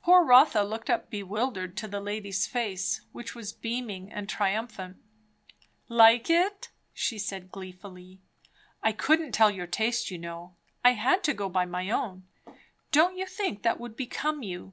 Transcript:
Poor Rotha looked up bewildered to the lady's face, which was beaming and triumphant. "Like it?" she said gleefully. "I couldn't tell your taste, you know. I had to go by my own Don't you think that would become you?"